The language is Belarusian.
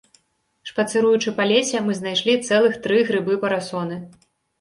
Шпацыруючы па лесе, мы знайшлі цэлых тры грыбы-парасоны!